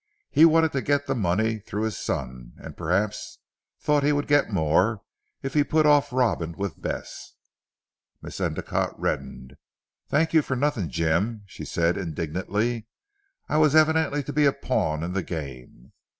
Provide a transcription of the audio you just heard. He wanted to get the money through his son, and perhaps thought he would get more if he put off Robin with Bess." Miss Endicotte reddened. "Thank you for nothing Jim," she said indignantly, "I was evidently to be a pawn in the game."